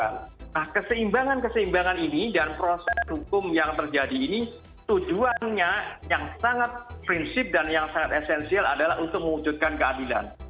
nah keseimbangan keseimbangan ini dan proses hukum yang terjadi ini tujuannya yang sangat prinsip dan yang sangat esensial adalah untuk mewujudkan keadilan